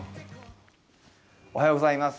おはようございます。